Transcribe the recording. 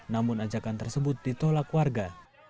namun ajakan tersebut ditolak warga